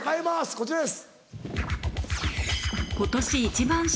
こちらです。